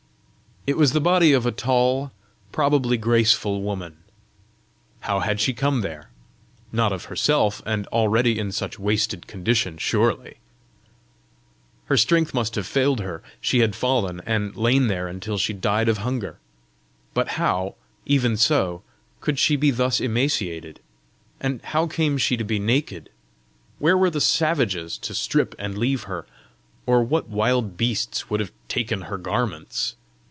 It was the body of a tall, probably graceful woman. How had she come there? Not of herself, and already in such wasted condition, surely! Her strength must have failed her; she had fallen, and lain there until she died of hunger! But how, even so, could she be thus emaciated? And how came she to be naked? Where were the savages to strip and leave her? or what wild beasts would have taken her garments?